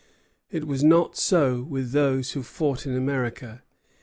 It was not so with those who fought in America.